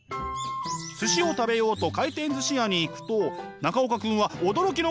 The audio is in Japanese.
寿司を食べようと回転寿司屋に行くと中岡くんは驚きの光景を目にしました！